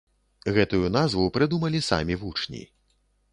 Гэтую назву прыдумалі самі вучні.